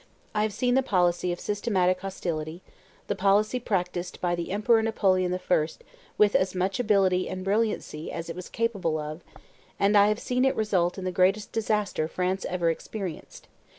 I have seen the policy of systematic hostility, the policy practised by the Emperor Napoleon I. with as much ability and brilliancy as it was capable of, and I have seen it result in the greatest disaster France ever experienced.